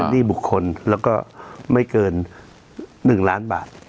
หนี้บุคคลแล้วก็ไม่เกิน๑ล้านบาท